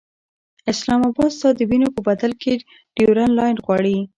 اسلام اباد ستا د وینو په بدل کې ډیورنډ لاین غواړي.